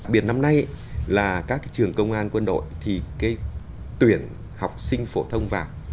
biệt năm nay là các trường công an quân đội thì cái tuyển học sinh phổ thông